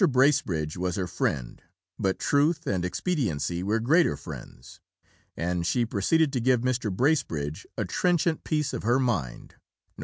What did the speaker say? Bracebridge was her friend, but truth and expediency were greater friends; and she proceeded to give Mr. Bracebridge a trenchant piece of her mind (Nov.